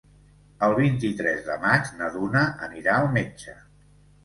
El vint-i-tres de maig na Duna anirà al metge.